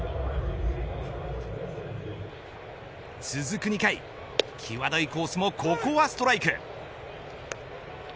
続く２回きわどいコースもここはストライク。